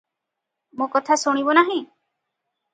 ମୋ’ କଥା ଶୁଣିବୁ ନାହିଁ?